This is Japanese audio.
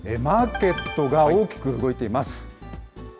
マーケットが大きく動いています。